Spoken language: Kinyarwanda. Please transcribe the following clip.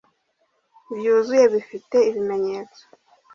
byuzuye bifite ibimenyetso